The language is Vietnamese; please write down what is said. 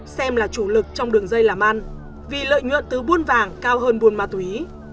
xem là chủ lực trong đường dây làm ăn vì lợi nhuận từ buôn vàng cao hơn buôn ma túy